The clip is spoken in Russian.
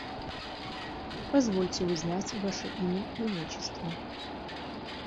Позвольте узнать ваше имя и отчество?